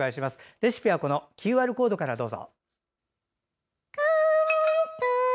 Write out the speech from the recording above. レシピはＱＲコードからどうぞ。